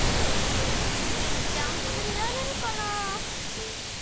「デキルちゃん」かりられるかな。